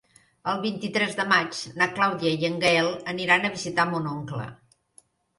El vint-i-tres de maig na Clàudia i en Gaël aniran a visitar mon oncle.